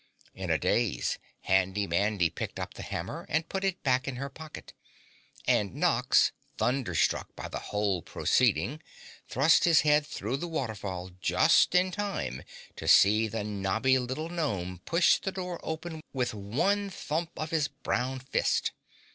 _" In a daze Handy Mandy picked up the hammer and put it back in her pocket, and Nox, thunderstruck by the whole proceeding thrust his head through the waterfall just in time to see the knobby little gnome push the door open with one thump of his brown fist.